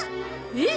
えっ？